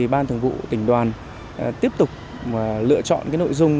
ban thường vụ tỉnh đoàn tiếp tục lựa chọn nội dung